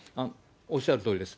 おっしゃるとおりです。